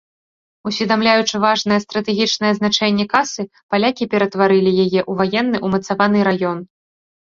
Усведамляючы важнае стратэгічнае значэнне касы, палякі ператварылі яе ў ваенны умацаваны раён.